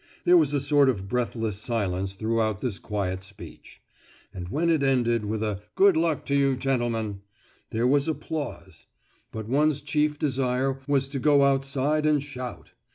There was a sort of breathless silence throughout this quiet speech. And when it ended with a "Good luck to you, gentlemen," there was applause; but one's chief desire was to go outside and shout.